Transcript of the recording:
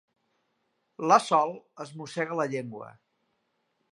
La Sol es mossega la llengua.